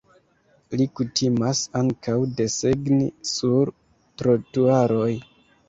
Li kutimas ankaŭ desegni sur trotuaroj.